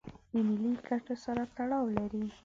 د ملي ګټو سره تړاو لري.